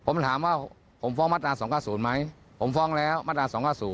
ผมถามว่าผมฟ้องมาตรา๒๙๐ไหมผมฟ้องแล้วมาตรา๒๙๐